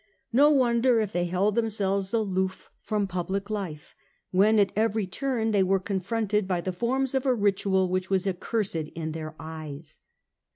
No wonder if they held themselves aloof from public life, when at every turn they were confronted by the forms of a ritual which was accursed in their eyes.